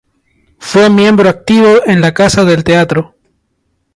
Fue miembro activo en la Casa del Teatro.